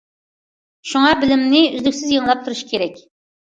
شۇڭا بىلىمنى ئۈزلۈكسىز يېڭىلاپ تۇرۇش كېرەك.